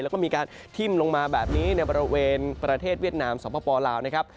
แล้วก็มีการทิ้มลงมาแบบนี้ในบริเวณประเทศเวียดนามสปลาวนะครับ